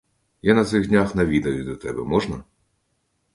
Я на цих днях навідаюсь до тебе: можна?